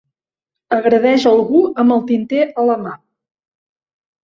Agredeix algú amb el tinter a la mà.